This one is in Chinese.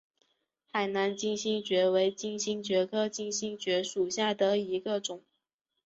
海南金星蕨为金星蕨科金星蕨属下的一个种。